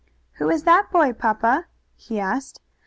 "Who is that boy, papa?" he asked.